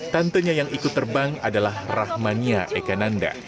tantenya yang ikut terbang adalah rahmania ekananda